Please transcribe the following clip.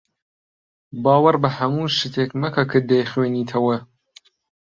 باوەڕ بە هەموو شتێک مەکە کە دەیخوێنیتەوە.